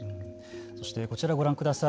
そして、こちらご覧ください。